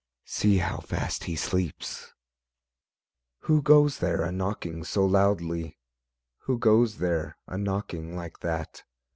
see how fast He sleeps. Who goes there a knocking so loudly? Who goes there a knocking like that?